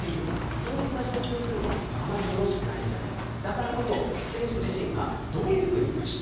そういった状況というのはあまりよろしくないんじゃないか。